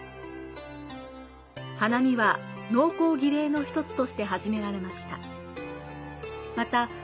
花見は、農耕儀礼の１つとして始められました。